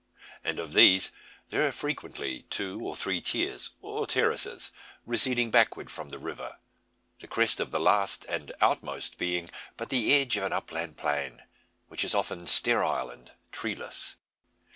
And of these there are frequently two or three tiers, or terraces, receding backward from the river, the crest of the last and outmost being but the edge of an upland plain, which is often sterile and treeless.